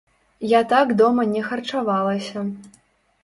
Я так дома не харчавалася.